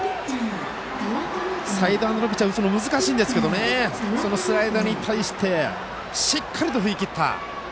サイドハンドのピッチャーを打つのは難しいですがそのスライダーに対してしっかりと振り切った。